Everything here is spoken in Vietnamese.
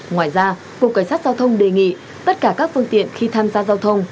ngoài ra cục cảnh sát giao thông đề nghị tất cả các phương tiện khi tham gia giao thông